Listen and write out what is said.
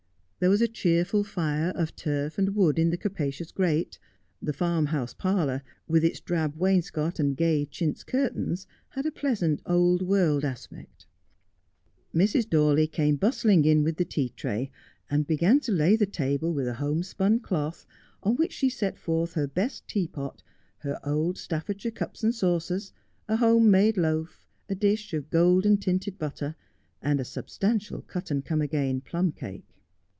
There was a cheerful fire of turf and wood in the capacious grate. The farmhouse parlour, with its drab wainscot and gay chintz curtains, had a pleasant old world aspect. Mrs. Dawley came bustling in with the tea tray, and began to lay the table with a homespun cloth, on which she set forth her best teapot, her old Staffordshire cups and saucers, a home made loaf, a dish of golden tinted butter, and a substantial cut and come again plum cake.